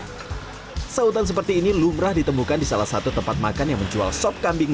hai sautan seperti ini lumrah ditemukan di salah satu tempat makan yang menjual sop kambing